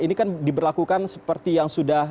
ini kan diberlakukan seperti yang sudah